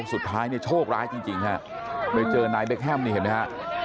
สุดท้ายเนี่ยโชคร้ายจริงฮะไปเจอนายเบคแฮมนี่เห็นไหมฮะ